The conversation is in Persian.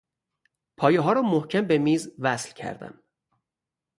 پایهها را محکم به میز وصل کردم.